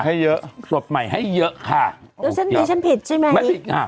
ให้เยอะสดใหม่ให้เยอะค่ะดูฉันฉันผิดใช่ไหมไม่ผิดค่ะ